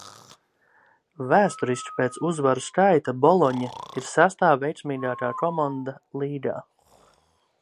"Vēsturiski pēc uzvaru skaita "Bologna" ir sestā veiksmīgākā komanda līgā."